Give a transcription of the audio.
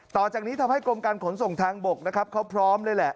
ต่อจากนี้ทำให้กรมการขนส่งทางบกนะครับเขาพร้อมเลยแหละ